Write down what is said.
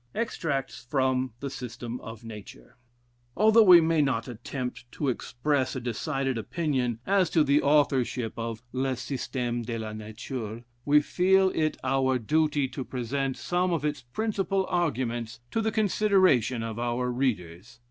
EXTRACTS FROM "THE SYSTEM OF NATURE." Although we may not attempt to express a decided opinion as to the authorship of "Le Système de la Nature," we feel it our duty to present some of its principal arguments to the consideration of our readers.